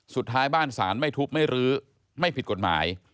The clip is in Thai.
สุดท้ายบ้านศาลไม่ทุบไม่รื้อไม่ผิดกฎหมาย